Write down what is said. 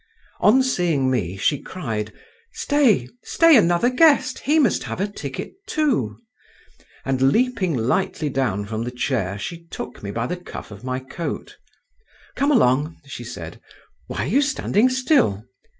On seeing me, she cried, "Stay, stay, another guest, he must have a ticket too," and leaping lightly down from the chair she took me by the cuff of my coat "Come along," she said, "why are you standing still?